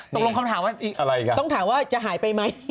คำถามว่าต้องถามว่าจะหายไปไหม